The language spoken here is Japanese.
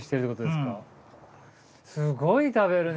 すごい食べるね。